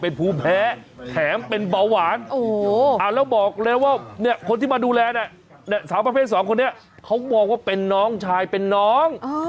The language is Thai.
เนี่ยคนที่มาดูแลเนี่ยสาวประเภทสองคนนี้เขามองว่าเป็นน้องชายเป็นน้อง